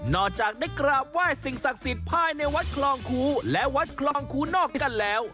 จากได้กราบไหว้สิ่งศักดิ์สิทธิ์ภายในวัดคลองคูและวัดคลองคูนอกกันแล้ว